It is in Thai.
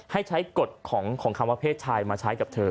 ให้ใช้กฎของคำว่าเพศชายมาใช้กับเธอ